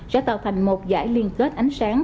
sẽ tạo thành một giải liên kết ánh sáng